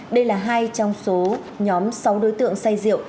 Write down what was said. đây là hai trong số nhóm sáu đối tượng say rượu